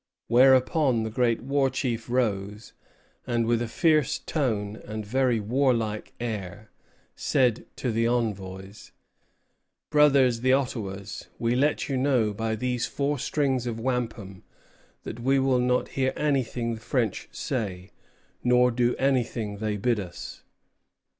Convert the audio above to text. Whereupon the great war chief rose, and, with "a fierce tone and very warlike air," said to the envoys: "Brothers the Ottawas, we let you know, by these four strings of wampum, that we will not hear anything the French say, nor do anything they bid us."